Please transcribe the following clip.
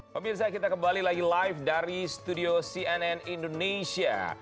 pemirsa kita kembali lagi live dari studio cnn indonesia